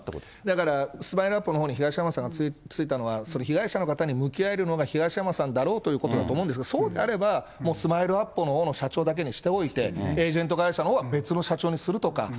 だから、スマイルアップのほうに東山さんがついたのは、被害者の方に向き合えるのが東山さんだろうということだと思うんですけれども、そうであれば、もうスマイルアップのほうの社長だけにしておいて、エージェント会社のほうは別の社長にするとか。